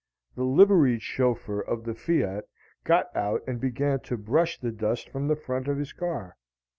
The liveried chauffeur of the Fiat got out and began to brush the dust from the front of his car.